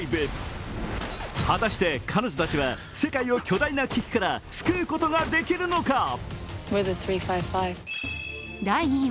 果たして彼女たちは世界を巨大な危機から救うことができるのか。